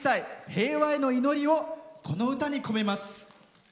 平和への祈りをこの歌に込めます。